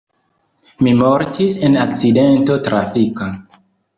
Mi mortis en akcidento trafika.